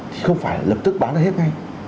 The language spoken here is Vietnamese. thì không phải lập tức bán ra hết ngay